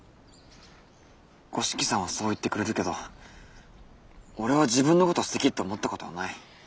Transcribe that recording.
五色さんはそう言ってくれるけど俺は自分のことすてきって思ったことはない。